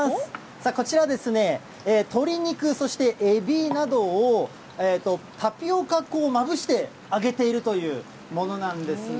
こちらですね、鶏肉、そしてエビなどをタピオカ粉をまぶして揚げているというものなんですね。